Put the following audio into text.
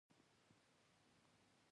آیا د باغ په منځ کې غنم وکرم؟